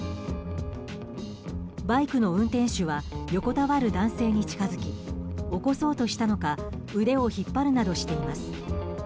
バイクの運転手は横たわる男性に近づき起こそうとしたのか腕を引っ張るなどしています。